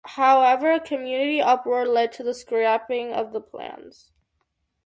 However, a community uproar led to the scrapping of the plans.